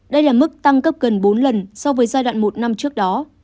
đây là mức tăng gấp gần bốn lần so với giai đoạn một năm trước đó